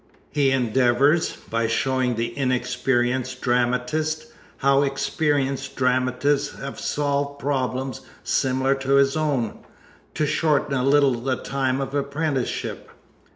He endeavors, "by showing the inexperienced dramatist how experienced dramatists have solved problems similar to his own, to shorten a little the time of apprenticeship."